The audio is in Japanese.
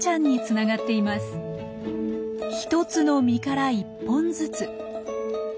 １つの実から１本ずつ。